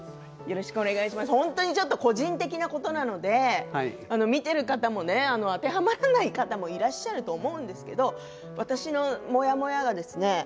本当に個人的なことなので見ている方も当てはまらない方もいらっしゃると思うんですけれど私のモヤモヤがですね